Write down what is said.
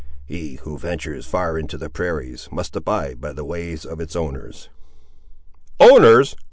"He, who ventures far into the prairies, must abide by the ways of its owners." "Owners!"